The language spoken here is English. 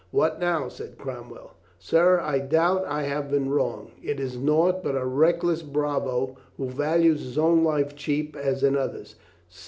"What now?" said Cromwell. "Sir, I doubt I have been wrong. It is naught but a reckless bravo who values his own life cheap as another's."